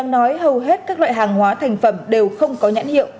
nói hầu hết các loại hàng hóa thành phẩm đều không có nhãn hiệu